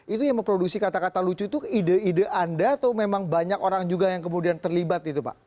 itu yang memproduksi kata kata lucu itu ide ide anda atau memang banyak orang juga yang kemudian terlibat itu pak